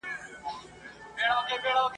نن دي بیا اوږدو نکلونو ته زړه کیږي ..